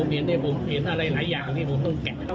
ผมเห็นอะไรหลายอย่างที่ผมต้องแกะ